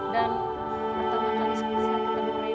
dan pertama kali saya ketemu rina